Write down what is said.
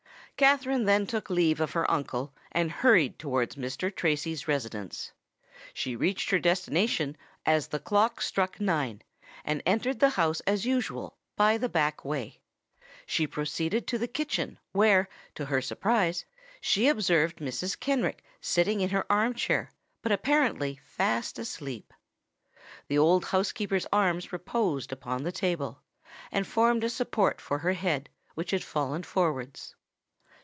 Katherine then took leave of her uncle, and hurried towards Mr. Tracy's residence. She reached her destination as the clock struck nine, and entered the house as usual, by the back way. She proceeded to the kitchen, where, to her surprise, she observed Mrs. Kenrick sitting in her arm chair, but apparently fast asleep. The old housekeeper's arms reposed upon the table, and formed a support for her head which had fallen forwards.